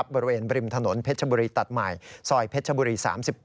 บริมถนนเพชรบุรีตัดใหม่ซอยเพชรบุรี๓๘